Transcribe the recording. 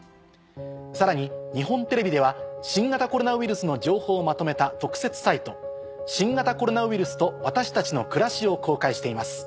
さらに日本テレビでは新型コロナウイルスの情報をまとめた。を公開しています。